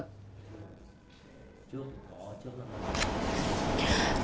cơ quan cảnh sát hình sự công an quận hoàng mai đã khai nhận